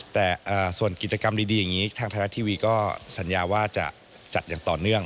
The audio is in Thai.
แต่ส่วนกิจกรรมดีอย่างนี้ทางไทยรัฐทีวีก็สัญญาว่าจะจัดอย่างต่อเนื่อง